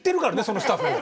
そのスタッフ。